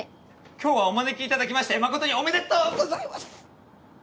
今日はお招きいただきまして誠におめでとうございます。